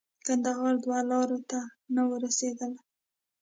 کندهار دوه لارې ته نه وو رسېدلي.